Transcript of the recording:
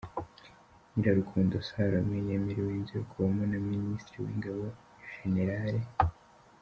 Nyirarukundo Salome yemerewe inzu yo kubamo na Minisitiri w’ingabo Gen.